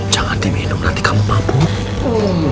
jangan diminum nanti kamu mampu